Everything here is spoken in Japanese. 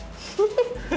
フフフ。